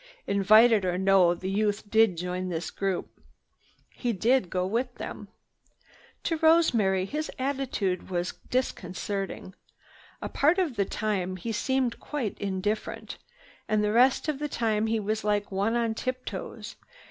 Invited or no, the youth did join this group. He did go with them. To Rosemary his attitude was disconcerting. A part of the time he seemed quite indifferent, the rest of the time he was like one on tip toes.